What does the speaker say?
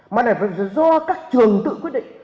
mà là do các trường tự quyết định